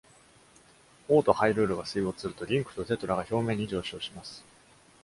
王とハイルールが水没すると、リンクとテトラが表面に上昇します。